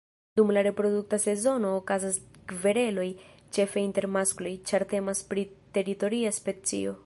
Dum la reprodukta sezono okazas kvereloj ĉefe inter maskloj, ĉar temas pri teritoria specio.